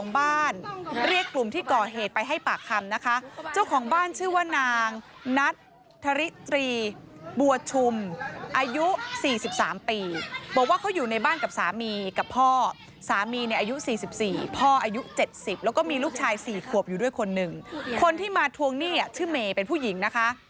บ้านเรียกกลุ่มที่ก่อเหตุไปให้ปากคำนะคะเจ้าของบ้านชื่อว่านางนัทธริตรีบัวชุมอายุ๔๓ปีบอกว่าเขาอยู่ในบ้านกับสามีกับพ่อสามีเนี่ยอายุ๔๔พ่ออายุ๗๐แล้วก็มีลูกชาย๔ขวบอยู่ด้วยคนหนึ่งคนที่มาทวงหนี้ชื่อเมย์เป็นผู้หญิงนะคะ